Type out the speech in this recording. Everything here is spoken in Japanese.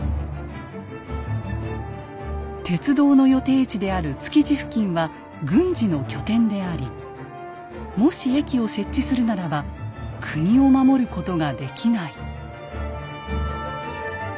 「鉄道の予定地である築地付近は軍事の拠点でありもし駅を設置するならば国を守ることができない」。